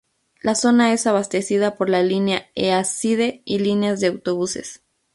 La zona es abastecida por la línea East Side y líneas de autobuses.